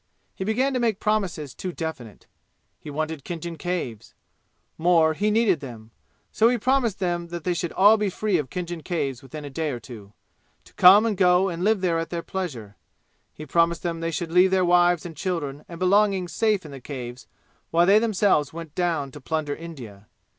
He began to make promises too definite. He wanted Khinjan Caves. More, he needed them. So he promised them they should all be free of Khinjan Caves within a day or two, to come and go and live there at their pleasure. He promised them they should leave their wives and children and belongings safe in the Caves while they themselves went down to plunder India.